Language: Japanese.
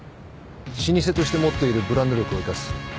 老舗として持っているブランド力を生かす。